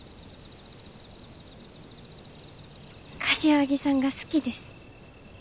柏木さんが好きです。